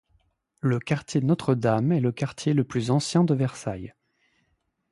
Le quartier Notre-Dame est le quartier le plus ancien de Versailles.